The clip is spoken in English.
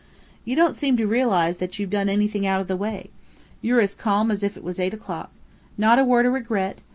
"You don't seem to realize that you've done anything out of the way. You're as calm as if it was eight o'clock. Not a word of regret!